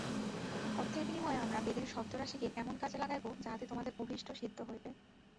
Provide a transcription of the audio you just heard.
অর্থের বিনিময়ে আমরা বেদের শব্দরাশিকে এমন কাজে লাগাইব, যাহাতে তোমাদের অভীষ্ট সিদ্ধ হইবে।